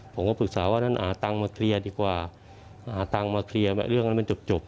ผมก็ปรึกษาว่านั้นหาตังค์มาเคลียร์ดีกว่าหาตังค์มาเคลียร์เรื่องนั้นมันจบ